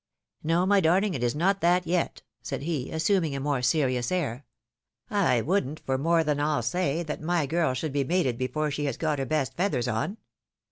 " No, my darling, it is not that yet," said he, assuming a more serious air ; "I wouldn't, for more than PU say, that my girl should be mated before she has got her best feathers on.